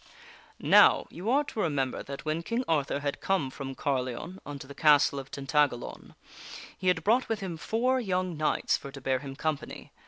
Now, you are to remember that when King Arthur had come from Carleon unto the castle of Tintagalon, he had brought with him four young knights for to bear him company.